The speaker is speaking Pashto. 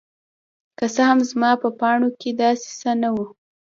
که څه هم زما په پاڼو کې داسې څه نه وو.